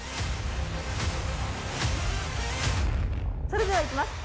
それではいきます。